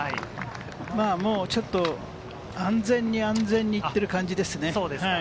もうちょっと安全に行っている感じですね。